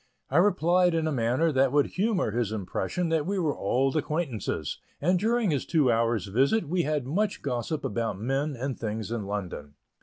I replied in a manner that would humor his impression that we were old acquaintances, and during his two hours' visit we had much gossip about men and things in London.